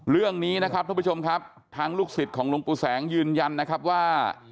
เรื่องนี้นะครับท่านผู้ชมครับทางลูกศิษย์ของหลวงปู่แสงยืนยันนะครับว่า